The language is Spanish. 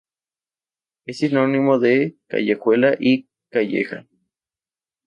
Es sinónimo de callejuela y calleja.